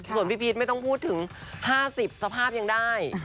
ส่วนพี่พีชไม่ต้องพูดถึง๕๐สภาพยังได้